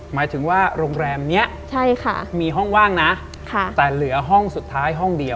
หมายถึงว่าโรงแรมนี้มีห้องว่างนะแต่เหลือห้องสุดท้ายห้องเดียว